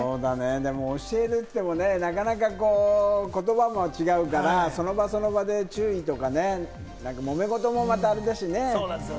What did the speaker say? でも教えるといってもね、なかなか言葉も違うから、その場その場で注意とかね、もめ事もまたあれだしね。